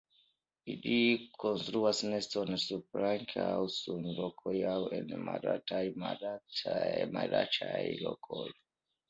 Ili konstruas neston surplanke aŭ sur rokoj aŭ en malaltaj marĉaj lokoj.